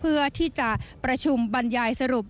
เพื่อที่จะประชุมบรรยายสรุป